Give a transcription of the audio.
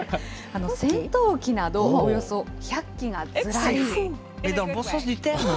戦闘機などおよそ１００機がずらり。